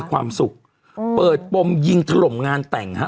ความสุขเปิดปมยิงถล่มงานแต่งฮะ